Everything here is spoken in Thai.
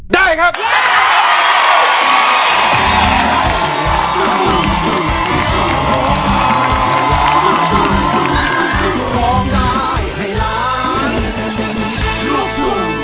ได้ครับ